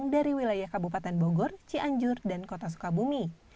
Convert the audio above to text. dari wilayah kabupaten bogor cianjur dan kota sukabumi